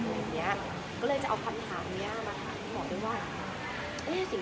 ด้วยความคิดของตัวเอง